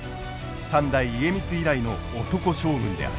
三代家光以来の男将軍である。